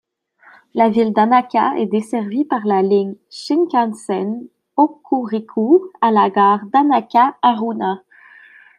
La ville d'Annaka est desservie par la ligne Shinkansen Hokuriku à la gare d'Annaka-Haruna.